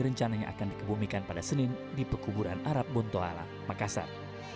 rencananya akan dikebumikan pada senin di pekuburan arab bontoala makassar